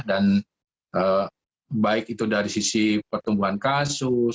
dan baik itu dari sisi pertumbuhan kasus